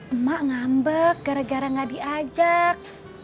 emak ngambek gara gara gak diajak